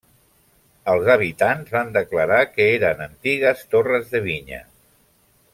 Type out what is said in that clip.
Els habitants van declarar que eren antigues torres de vinya.